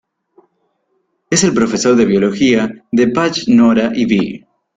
Es el profesor de Biología de Patch, Nora y Vee.